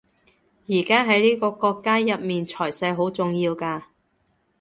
而家喺呢個國家入面財勢好重要㗎